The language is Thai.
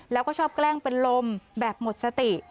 แล้วก็ชอบแกล้งเป็นลมแบบหมดสติ